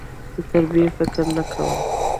د تربيې فکر نه کوي.